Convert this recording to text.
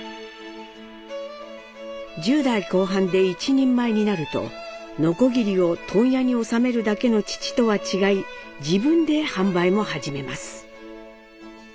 １０代後半で一人前になるとノコギリを問屋に納めるだけの父とは違い自分で販売も始めます。